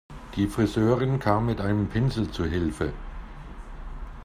Die Friseurin kam mit einem Pinsel zu Hilfe.